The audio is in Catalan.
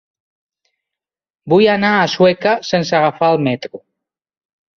Vull anar a Sueca sense agafar el metro.